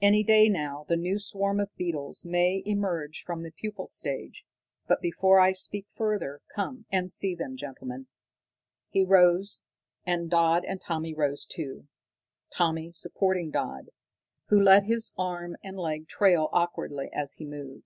Any day now the new swarm of beetles may emerge from the pupal stage. But before I speak further, come and see them, gentlemen!" He rose, and Dodd and Tommy rose too, Tommy supporting Dodd, who let his arm and leg trail awkwardly as he moved.